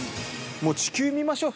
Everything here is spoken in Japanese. もう地球見ましょう。